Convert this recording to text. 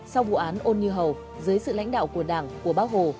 sau vụ án ôn như hầu dưới sự lãnh đạo của đảng của bác hồ